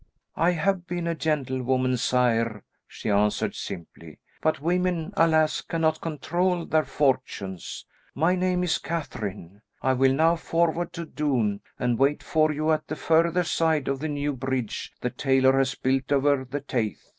"I have been a gentlewoman, sire," she answered simply, "but women, alas, cannot control their fortunes. My name is Catherine. I will now forward to Doune, and wait for you at the further side of the new bridge the tailor has built over the Teith.